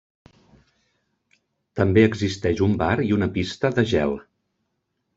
També existeix un bar i una pista de gel.